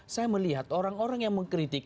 saya melihat orang orang yang mengkritik